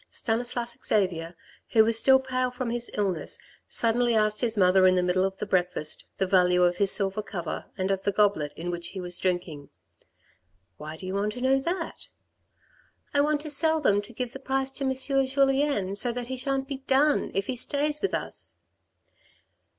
Stanislas Xavier, who was still pale from his illness, suddenly asked his mother in the middle of the breakfast, the value of his silver cover and of the goblet in which he was drinking. " Why do you want to know that ?"" I want to sell them to give the price to M. Julien so that he shan't be done if he stays with us."